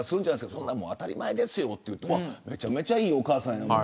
そんなの当たり前ですよって言っててめちゃめちゃいいお母さんだなって。